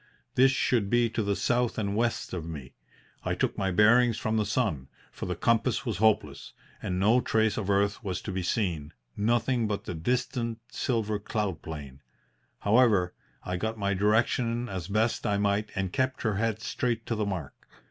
This should be to the south and west of me. I took my bearings from the sun, for the compass was hopeless and no trace of earth was to be seen nothing but the distant silver cloud plain. However, I got my direction as best I might and kept her head straight to the mark.